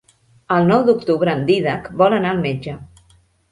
El nou d'octubre en Dídac vol anar al metge.